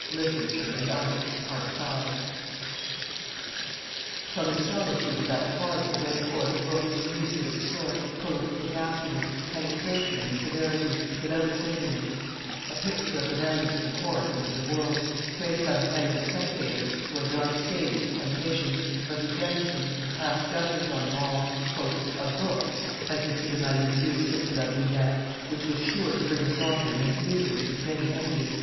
[Illustration: La Bruyere 633] From the solitude of that closet went forth a book unique of its sort, full of sagacity, penetration, and severity, without bitterness; a picture of the manners of the court and of the world, traced by the hand of a spectator who had not essayed its temptations, but who guessed them and passed judgment on them all, "a book," as M. de Malezieux said to La Bruyere, "which was sure to bring its author many readers and many enemies."